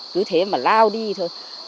cứ thế mà lao đi thôi